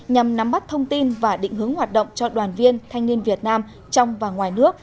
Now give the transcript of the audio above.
nhằm nắm bắt thông tin và định hướng hoạt động cho đoàn viên thanh niên việt nam trong và ngoài nước